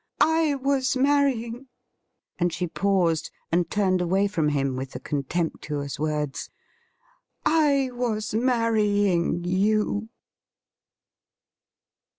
' I was manying '— and she paused and turned away from him with the contemptuous words —' I was marrying —you.'